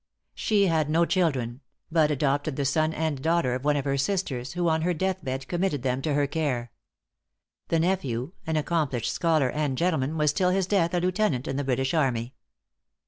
She had no children, but adopted the son and daughter of one of her sisters, who on her deathbed committed them to her care. The nephew, an accomplished scholar and gentleman, was till his death a lieutenant in the British army.